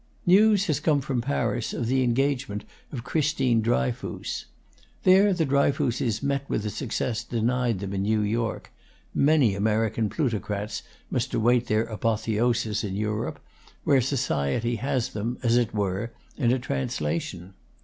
News has come from Paris of the engagement of Christine Dryfoos. There the Dryfooses met with the success denied them in New York; many American plutocrats must await their apotheosis in Europe, where society has them, as it were, in a translation.